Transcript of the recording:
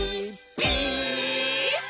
ピース！」